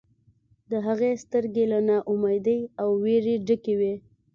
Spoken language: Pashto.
د هغې سترګې له نا امیدۍ او ویرې ډکې وې